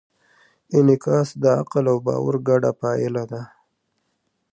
انعکاس د عقل او باور ګډه پایله ده.